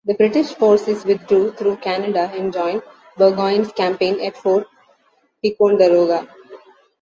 The British forces withdrew through Canada and joined Burgoyne's campaign at Fort Ticonderoga.